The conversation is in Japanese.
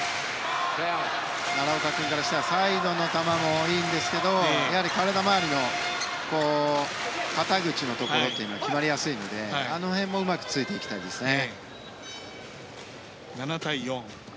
奈良岡君からしたら最後の球もいいですけどやはり体回りの肩口のところっていうのは決まりやすいので、あの辺をうまく突いていきたいですね。